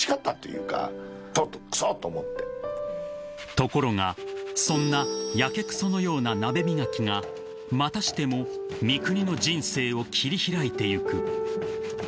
［ところがそんなやけくそのような鍋磨きがまたしても三國の人生を切り開いていく］